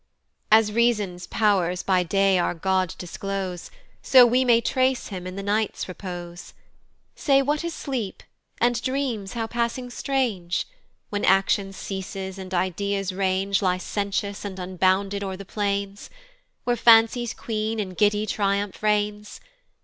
As reason's pow'rs by day our God disclose, So we may trace him in the night's repose: Say what is sleep? and dreams how passing strange! When action ceases, and ideas range Licentious and unbounded o'er the plains, Where Fancy's queen in giddy triumph reigns.